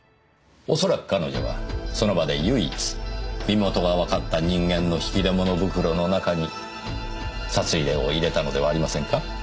恐らく彼女はその場で唯一身元がわかった人間の引き出物袋の中に札入れを入れたのではありませんか？